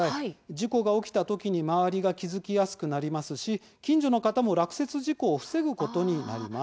事故が起きた時に周りが気付きやすくなりますし近所の方も落雪事故を防ぐことになります。